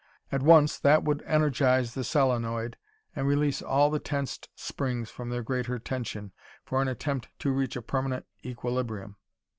At once that would energize the solenoid and release all the tensed springs from their greater tension, for an attempt to reach a permanent equilibrium.